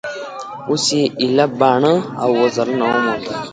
اوس یې ایله باڼه او وزرونه وموندل